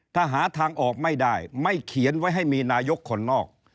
ถ้าหาทางออกไม่ได้ไม่เขียนไว้ให้มีนายกคนนอก